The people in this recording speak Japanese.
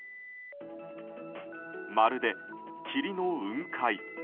まるで霧の雲海。